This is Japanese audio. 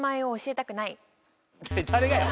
誰がや？